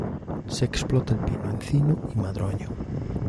Se explota el pino, encino y madroño.